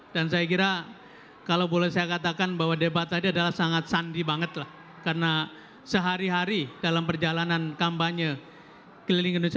dan saya kira kalau boleh saya katakan bahwa debat tadi adalah sangat sandi banget lah karena sehari hari dalam perjalanan kampanye keliling indonesia